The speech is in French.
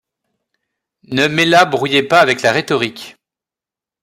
Ne mela brouillez pas avec la rhétorique.